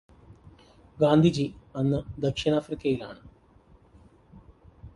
ഗാന്ധി അന്ന് ദക്ഷിണാഫ്രിക്കയിലാണ്.